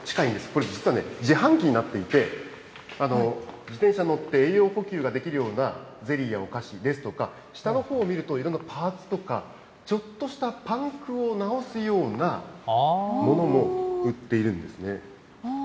これ実はね、自販機になっていて、自転車乗って栄養補給ができるようなゼリーやお菓子ですとか、下のほうを見ると、いろんなパーツとか、ちょっとしたパンクを直すようなものも売っているんですね。